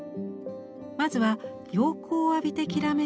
まずは陽光を浴びてきらめく